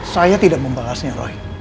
saya tidak membalasnya roy